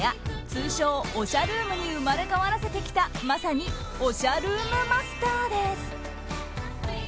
通称おしゃルームに生まれ変わらせてきた、まさにおしゃルームマスターです。